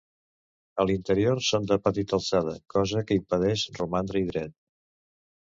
A l'interior són de petita alçada, cosa que impedeix romandre-hi dret.